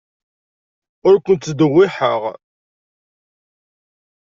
Ur ken-ttdewwiḥeɣ.